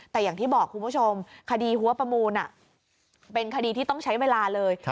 แต่อย่างที่บอกคุณผู้ชมคดีหัวประมูลเป็นคดีที่ต้องใช้เวลาเลย